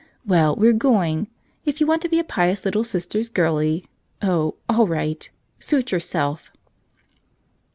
Well, we're going. If you want to be a pious little Sister's girlie — oh, all right! Suit yourself!"